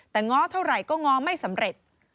แต่ง้อเท่าไหร่ก็ง้อไม่สำเร็จ